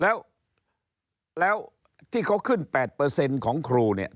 แล้วที่เขาขึ้น๘ของครูเนี่ย